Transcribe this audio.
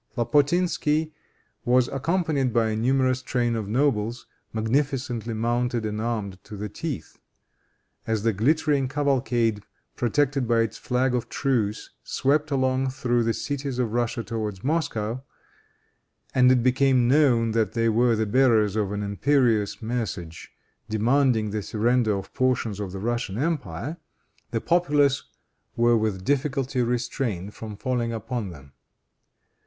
Lapotinsky was accompanied by a numerous train of nobles, magnificently mounted and armed to the teeth. As the glittering cavalcade, protected by its flag of truce, swept along through the cities of Russia towards Moscow, and it became known that they were the bearers of an imperious message, demanding the surrender of portions of the Russian empire, the populace were with difficulty restrained from falling upon them.